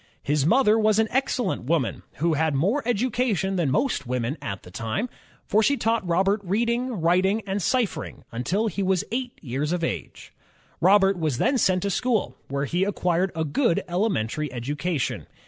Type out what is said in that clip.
His mother was an excellent woman who had more education than most women of the time, for she taught Robert reading, writ ing, and ciphering, until he was eight years of age. Robert was then sent to school, where he acquired a good elementary education.